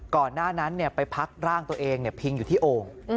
ก่อนหน้านั้นไปพักร่างตัวเองพิงอยู่ที่โอ่ง